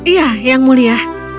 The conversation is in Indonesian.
ya yang mulia